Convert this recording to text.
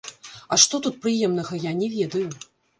А што тут прыемнага, я не ведаю.